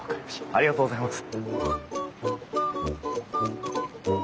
ありがとうございます。